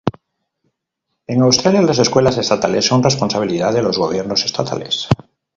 En Australia las escuelas estatales son responsabilidad de los gobiernos estatales.